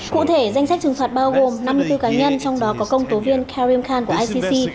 cụ thể danh sách trừng phạt bao gồm năm mươi bốn cá nhân trong đó có công tố viên karim khan của icc